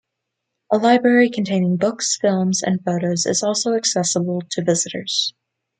A library containing books, films, and photos is also accessible to visitors.